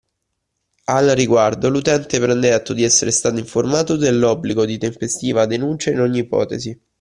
Al riguardo l’utente prende atto di essere stato informato dell’obbligo di tempestiva denuncia in ogni ipotesi